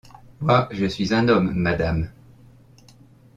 Moi je suis un homme, madame.